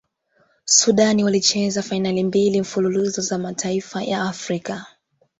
sudan walicheza fainali mbili mfululizo za mataifa ya afrika